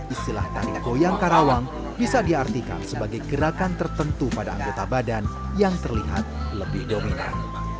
istilah tari goyang karawang bisa diartikan sebagai gerakan tertentu pada anggota badan yang terlihat lebih dominan